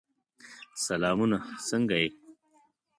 سلامونه! څنګه یې؟